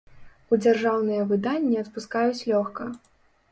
У дзяржаўныя выданні адпускаюць лёгка.